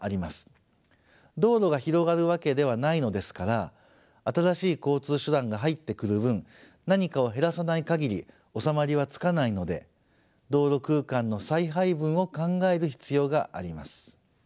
道路が広がるわけではないのですから新しい交通手段が入ってくる分何かを減らさない限り収まりはつかないので道路空間の再配分を考える必要があります。